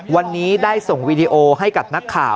วันนี้ได้ส่งวีดีโอให้กับนักข่าว